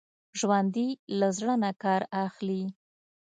ژوندي له زړه نه کار اخلي